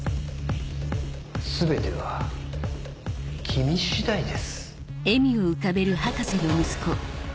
全ては君次第です。